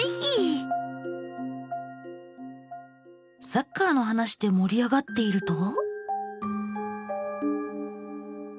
サッカーの話でもり上がっていると。